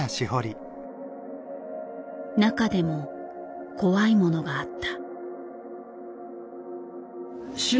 中でも怖いものがあった。